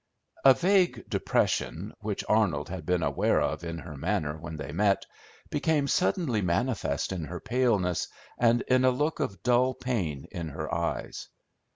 A vague depression, which Arnold had been aware of in her manner when they met, became suddenly manifest in her paleness and in a look of dull pain in her eyes.